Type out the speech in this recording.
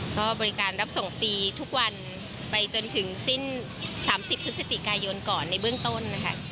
ก็บริการรับส่งฟรีทุกวันไปจนถึงสิ้น๓๐พฤศจิกายนก่อนในเบื้องต้นนะคะ